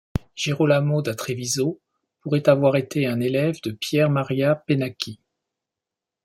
Girolamo da Treviso pourrait avoir été un élève de Pier Maria Pennacchi.